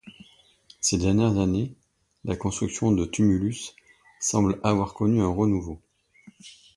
Ces dernières années, la construction de tumulus semble avoir connu un renouveau.